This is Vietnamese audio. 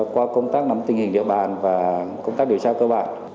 qua công tác nắm tình hình địa bàn và công tác điều tra cơ bản